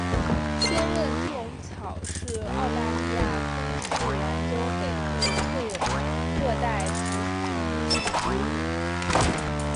坚韧猪笼草是澳大利亚昆士兰州北部特有的热带食虫植物。